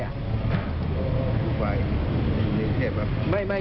อยู่ฝ่าย